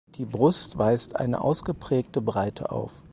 Die Brust weist eine ausgeprägte Breite auf.